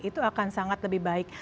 itu akan sangat lebih baik